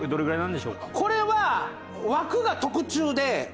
これは枠が特注で。